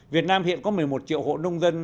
việt nam hiện có một mươi một triệu hộ nông dân